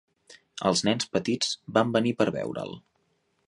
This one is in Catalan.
Els nens petits van venir per veure'l.